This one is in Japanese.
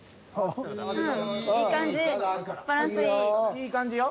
いい感じよ。